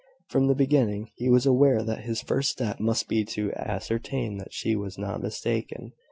From the beginning, he was aware that his first step must be to ascertain that she was not mistaken.